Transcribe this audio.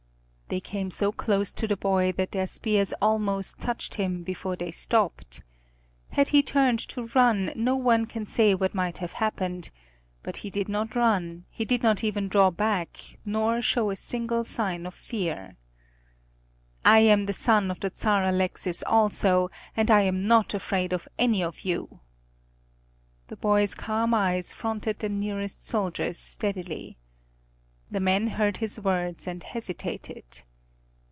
They came so close to the boy that their spears almost touched him before they stopped. Had he turned to run no one can say what might have happened, but he did not turn, he did not even draw back nor show a single sign of fear. "I am the son of the Czar Alexis also, and I am not afraid of any of you!" The boy's calm eyes fronted the nearest soldiers steadily. The men heard his words and hesitated.